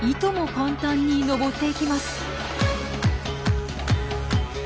簡単に上っていきます。